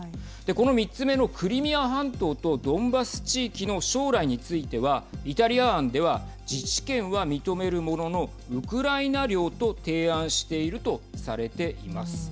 この３つ目のクリミア半島とドンバス地域の将来については、イタリア案では自治権は認めるもののウクライナ領と提案しているとされています。